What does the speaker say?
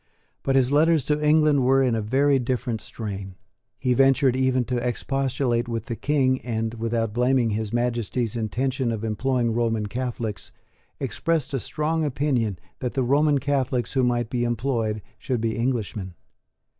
But his letters to England were in a very different strain. He ventured even to expostulate with the King, and, without blaming His Majesty's intention of employing Roman Catholics, expressed a strong opinion that the Roman Catholics who might be employed should be Englishmen.